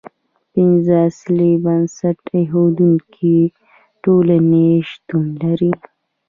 پنځه اصلي بنسټ ایښودونکې ټولنې شتون لري.